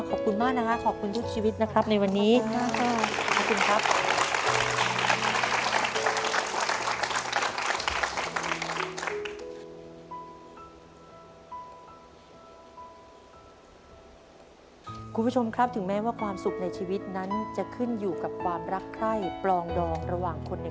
ขอบคุณมากนะครับขอบคุณทุกชีวิตนะครับในวันนี้